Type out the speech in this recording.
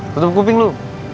tutup kuping lu